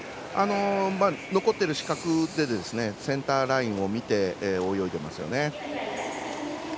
残ってる視覚でセンターラインを見て泳いでいますよね。